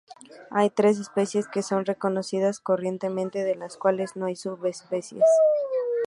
Hay tres especies que son reconocidas corrientemente, de las cuales no hay subespecies.